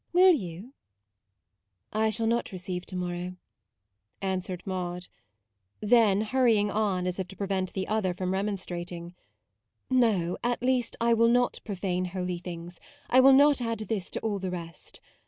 Will you ?"" I shall not receive to morrow," answered Maude; then hurrying on as if to prevent the other from re monstrating : u No : at least I will not profane holy things ; I will not add this to all the rest.